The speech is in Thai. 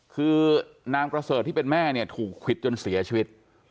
คือนางประเสริฐที่เป็นแม่เนี่ยถูกควิดจนเสียชีวิต